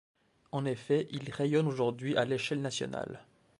En effet, il rayonne aujourd'hui à l’échelle nationale.